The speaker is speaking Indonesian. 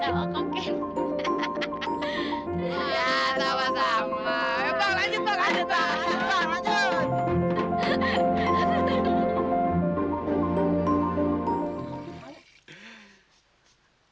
hahaha sama sama lanjut lanjut lanjut lanjut